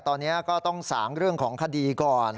ตอนนี้ก็ต้องสางเรื่องของคดีก่อน